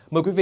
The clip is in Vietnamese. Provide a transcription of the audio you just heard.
mời quý vị